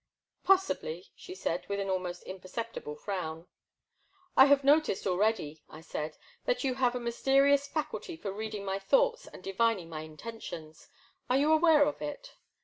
" Possibly, she said, with an almost impercep tible frown. I have noticed already,*' I said, that you (( n it The Black Water. 159 have a mysterious faculty for reading my thoughts and divining my intentions. Are you aware of it?'